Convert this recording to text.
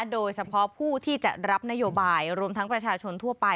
โดยเฉพาะผู้ที่จะรับนโยบายรวมทั้งประชาชนทั่วไป